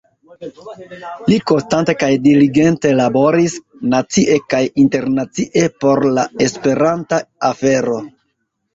Li konstante kaj diligente laboris nacie kaj internacie por la esperanta afero.